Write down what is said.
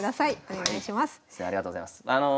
ありがとうございます。